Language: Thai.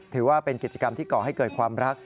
ถือว่าเป็นกิจกรรมที่ก่อให้เกิดความรัก